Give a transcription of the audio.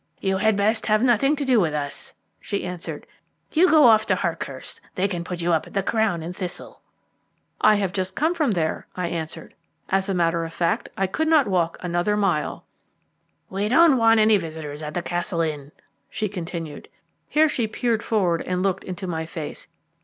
"You had best have nothing to do with us," she answered. "You go off to Harkhurst; they can put you up at the Crown and Thistle." "I have just come from there," I answered. "As a matter of fact, I could not walk another mile." "We don't want visitors at the Castle Inn," she continued. Here she peered forward and looked into my face.